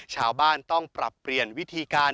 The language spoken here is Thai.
ชาวบ้านต้องปรับเปลี่ยนวิธีการ